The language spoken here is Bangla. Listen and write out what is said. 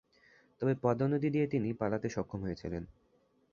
তবে পদ্মা নদী দিয়ে তিনি পালাতে সক্ষম হয়েছিলেন।